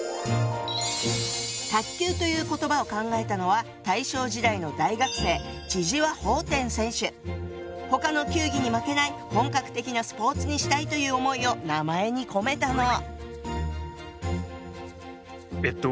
「卓球」という言葉を考えたのは大正時代の大学生他の球技に負けない本格的なスポーツにしたいという思いを名前に込めたの。